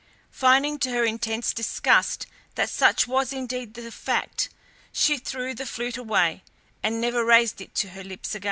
Finding to her intense disgust that such was indeed the fact, she threw the flute away, and never raised it to her lips again.